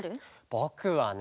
ぼくはね